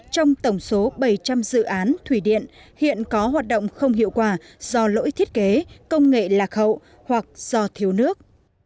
trong tổng số bảy trăm linh dự án thủy điện hiện có hoạt động không hiệu quả do lỗi thiết kế công nghệ lạc hậu hoặc do thiếu nước